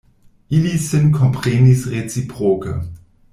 Ili sin komprenis reciproke.